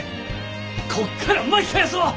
こっから巻き返そ！